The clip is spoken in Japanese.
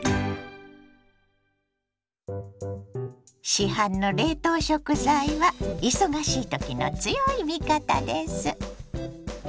市販の冷凍食材は忙しいときの強い味方です。